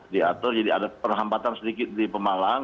diatur jadi ada perhampatan sedikit di pemalang